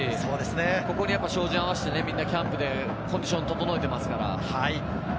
ここに照準を合わせてキャンプでコンディションを整えていますから。